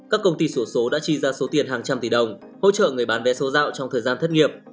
các công ty sổ số đã chi ra số tiền hàng trăm tỷ đồng hỗ trợ người bán vé số dạo trong thời gian thất nghiệp